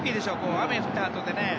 雨が降ったあとで。